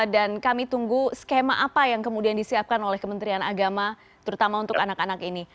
dan kami tunggu skema apa yang kemudian disiapkan oleh kementerian agama terutama untuk anak anak ini